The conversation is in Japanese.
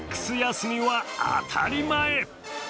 休みは当たり前。